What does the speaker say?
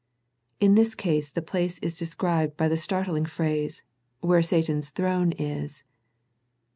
In this case the place is described by the startling phrase, " Where Satan's throne is."